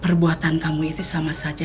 perbuatan kamu itu sama saja